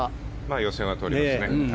予選はとれますね。